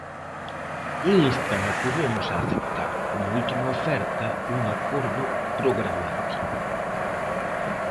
Instan a Podemos a aceptar, como última oferta, un acordo programático.